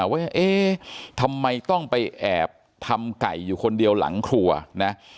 ว่าเอ๊ะทำไมต้องไปแอบทำไก่อยู่คนเดียวหลังครัวนะ